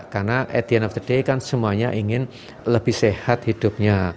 karena at the end of the day kan semuanya ingin lebih sehat hidupnya